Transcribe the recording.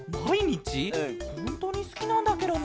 ほんとにすきなんだケロね。